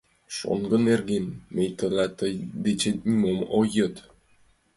Шоҥго нерген мый тетла тый дечет нимом ом йод.